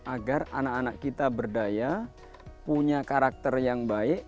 agar anak anak kita berdaya punya karakter yang baik